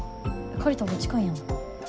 借りたほうが近いやん。